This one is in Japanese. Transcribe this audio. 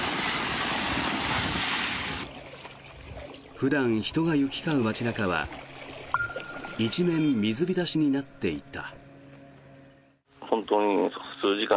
普段、人が行き交う街中は一面、水浸しになっていった。